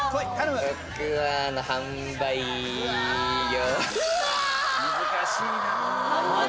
僕は販売業。